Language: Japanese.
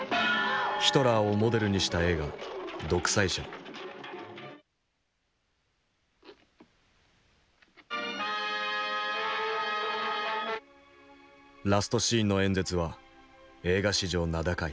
ヒトラーをモデルにしたラストシーンの演説は映画史上名高い。